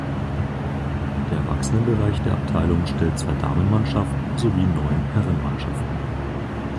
Der Erwachsenenbereich der Abteilung stellt zwei Damenmannschaften sowie neun Herrenmannschaften.